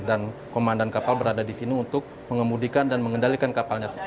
dan komandan kapal berada disini untuk mengemudikan dan mengendalikan kapalnya